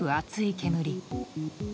煙。